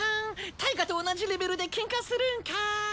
タイガと同じレベルでケンカするんかい。